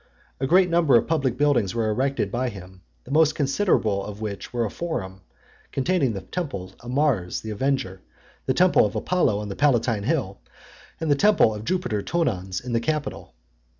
A great number of public buildings were erected by him, the most considerable of which were a forum , containing the temple of Mars the Avenger, the temple of Apollo on the Palatine hill, and the temple of Jupiter Tonans in the Capitol.